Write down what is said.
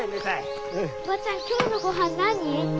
おばちゃん今日のごはん何？